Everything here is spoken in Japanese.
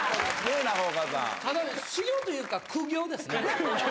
修行というか苦行ですね。